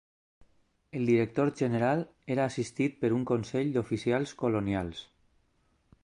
El Director-General era assistit per un consell d'oficials colonials.